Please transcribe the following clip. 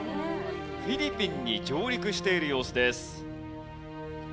フィリピンに上陸している様子です。